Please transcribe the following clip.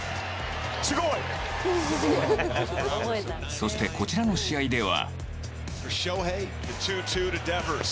そして、こちらの試合では。